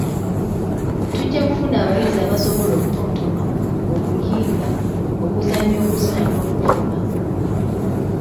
Tujja kufuna abayizi abasobola okutontoma, okuyimba, okuzannya okuzina n'okufuma.